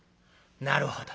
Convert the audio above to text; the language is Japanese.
「なるほど。